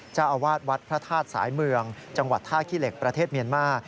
เจ้าอาวาสวัดพระธาตุสายเมืองจังหวัดท่าขี้เหล็กประเทศเมียนมา